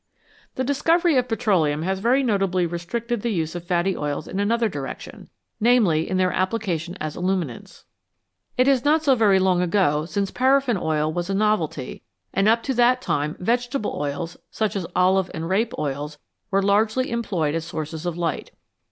The discovery of petroleum has very notably re stricted the use of fatty oils in another direction, namely, in their application as illuminants. It is not so very long ago since paraffin oil was a novelty, and up to that time vegetable oils, such as olive and rape oils, were largely employed as sources of light.